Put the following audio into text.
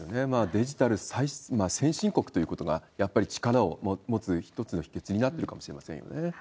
デジタル先進国ということが、やっぱり力を持つ一つの秘けつになってるかもしれませんよね。